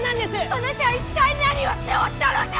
そなた一体何をしておったのじゃ！